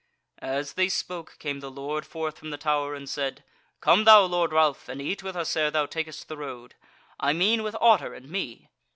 As they spoke came the Lord forth from the Tower, and said: "Come thou, Lord Ralph, and eat with us ere thou takest to the road; I mean with Otter and me.